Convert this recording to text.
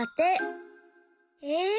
え！